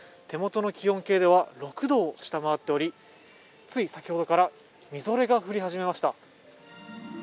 手元の気温計では６度を下回っておりつい先ほどからみぞれが降り始めました。